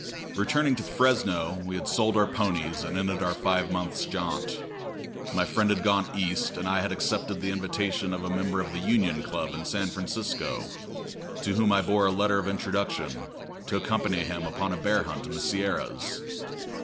Returning to Fresno, we had sold our ponies and ended our five months' jaunt. My friend had gone East, and I had accepted the invitation of a member of the Union Club in San Francisco, to whom I bore a letter of introduction, to accompany him upon a bear hunt in the Sierras.